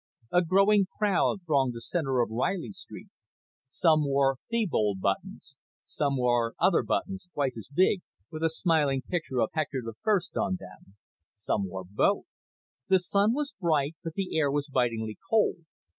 A growing crowd thronged the center of Reilly Street. Some wore Thebold buttons. Some wore other buttons, twice as big, with a smiling picture of Hector I on them. Some wore both. The sun was bright but the air was bitingly cold.